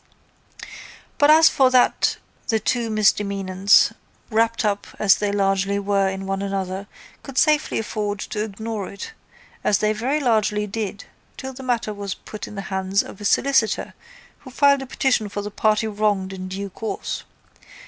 But as for that the two misdemeanants, wrapped up as they largely were in one another, could safely afford to ignore it as they very largely did till the matter was put in the hands of a solicitor who filed a petition for the party wronged in due course.